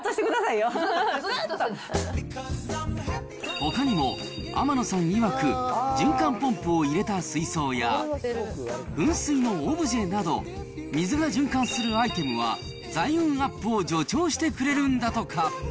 ほかにも、天野さんいわく、循環ポンプを入れた水槽や噴水のオブジェなど、水が循環するアイテムは財運アップを助長してくれるんだとか。